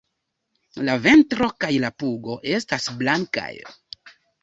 La ventro kaj la pugo estas blankaj.